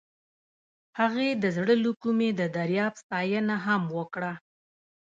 هغې د زړه له کومې د دریاب ستاینه هم وکړه.